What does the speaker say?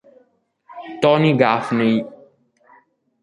Tony Gaffney